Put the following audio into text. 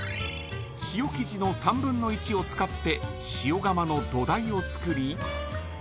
塩生地の３分の１を使って塩釜の土台を作り